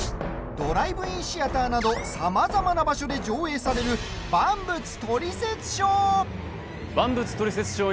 ドライブインシアターなどさまざまな場所で上映される「万物トリセツショー」。